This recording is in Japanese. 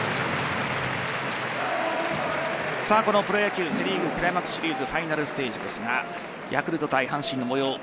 プロ野球、セ・リーグクライマックスシリーズファイナルステージですがヤクルト対阪神の模様